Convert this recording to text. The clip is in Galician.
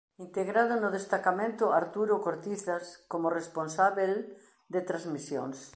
Integrado no Destacamento Arturo Cortizas como responsábel de transmisións.